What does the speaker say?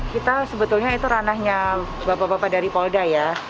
kita sebetulnya itu ranahnya bapak bapak dari polda ya